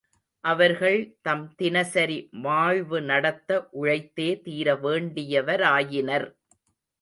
அவர்கள் தம் தினசரி வாழ்வு நடத்த உழைத்தே தீர வேண்டியவராயினர்.